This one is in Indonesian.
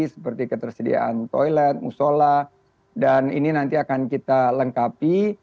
seperti ketersediaan toilet musola dan ini nanti akan kita lengkapi